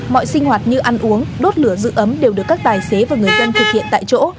mọi sinh hoạt như ăn uống đốt lửa giữ ấm đều được các tài xế và người dân thực hiện tại chỗ